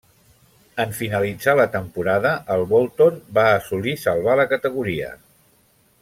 En finalitzar la temporada, el Bolton va assolir salvar la categoria.